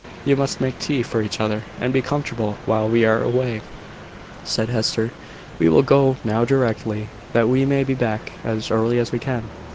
"You must make tea for each other, and be comfortable while we are away," said Hester. "We will go now directly, that we may be back as early as we can."